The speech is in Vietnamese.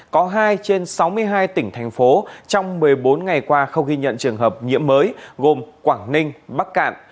có hai trên sáu mươi hai tỉnh thành phố trong một mươi bốn ngày qua không ghi nhận trường hợp nhiễm mới gồm quảng ninh bắc cạn